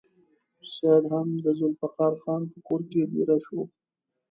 سید هم د ذوالفقار خان په کور کې دېره شو.